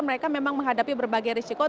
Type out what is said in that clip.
mereka memang menghadapi berbagai risiko